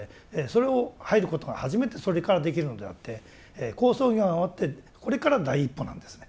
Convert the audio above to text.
それを入ることが初めてそれからできるのであって好相行が終わってこれから第一歩なんですね。